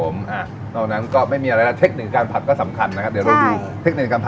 แต่ต้องเก็บว่าไฟแรงนะแต่ไม่ใช่แรงมาก